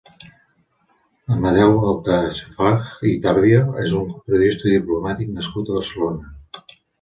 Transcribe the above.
Amadeu Altafaj i Tardio és un periodista i diplomàtic nascut a Barcelona.